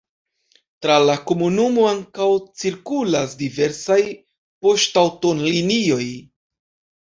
Tra la komunumo ankaŭ cirkulas diversaj poŝtaŭtolinioj.